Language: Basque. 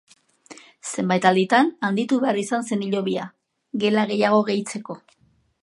Zenbait alditan handitu behar izan zen hilobia, gela gehiago gehitzeko.